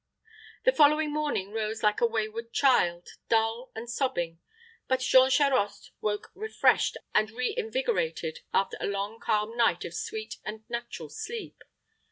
The following morning rose like a wayward child, dull and sobbing; but Jean Charost woke refreshed and reinvigorated, after a long, calm night of sweet and natural sleep.